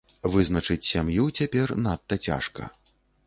Вызначыць сям'ю цяпер надта цяжка.